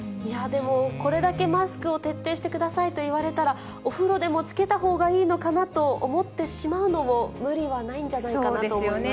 でも、これだけマスクを徹底してくださいと言われたら、お風呂でも着けたほうがいいのかなと思ってしまうのも無理はないそうですよね。